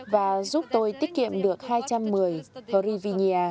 và giúp tôi tiết kiệm được hai trăm một mươi hri vi nha